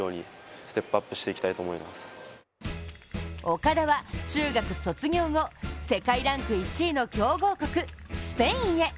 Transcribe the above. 岡田は中学卒業後、世界ランク１位の強豪国・スペインへ。